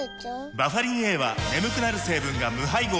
バファリンＡは眠くなる成分が無配合なんです